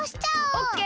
オッケー！